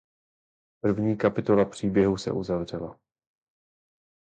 První kapitola příběhu se uzavřela.